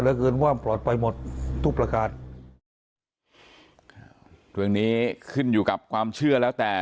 เกินความปลอดภัยหมดทุกประการเรื่องนี้ขึ้นอยู่กับความเชื่อแล้วแต่